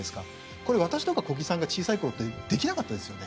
これ私とか小木さんが小さい頃ってできなかったですよね。